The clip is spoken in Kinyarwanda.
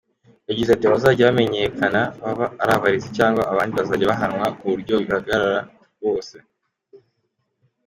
Yagize ati “Abazajya bamenyekana baba abarezi cyangwa abandi bazajya bahanwa ku buryo bigaragarira bose.